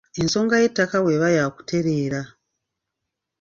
Ensonga y'ettaka bw'eba yaakutereera